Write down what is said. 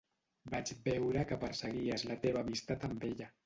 Vaig veure que perseguies la teva amistat amb ella.